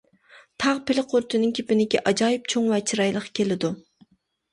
تاغ پىلە قۇرۇتىنىڭ كېپىنىكى ئاجايىپ چوڭ ۋە چىرايلىق كېلىدۇ.